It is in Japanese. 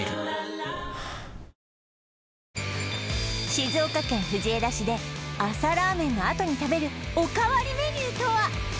静岡県藤枝市で朝ラーメンのあとに食べるおかわりメニューとは！？